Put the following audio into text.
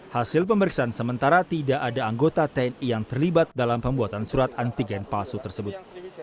hasil pemeriksaan sementara tidak ada anggota tni yang terlibat dalam pembuatan surat antigen palsu tersebut